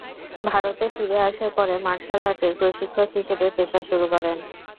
ভারতে ফিরে আসার পরে মার্শাল আর্টের প্রশিক্ষক হিসেবে পেশা শুরু করেন।